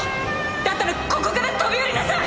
だったらここから飛び降りなさい！